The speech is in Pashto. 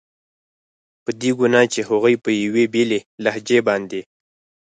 په دې ګناه چې هغوی په یوې بېلې لهجې باندې.